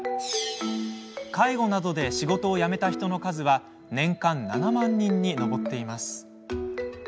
介護などで仕事を辞めた人の数は年間７万人に上っています。